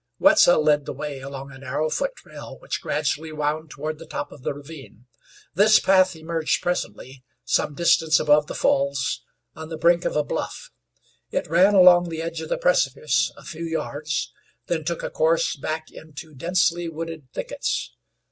Wetzel led the way along a narrow foot trail which gradually wound toward the top of the ravine. This path emerged presently, some distance above the falls, on the brink of a bluff. It ran along the edge of the precipice a few yards, then took a course back into densely wooded thickets.